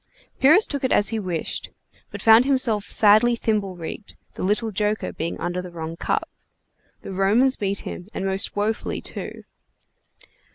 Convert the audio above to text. Pyrrhus took it as he wished it, but found himself sadly thimble rigged, the little joker being under the wrong cup. The Romans beat him, and most wofully too.